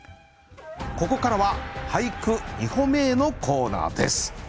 ここからは「俳句、二歩目へ」のコーナーです。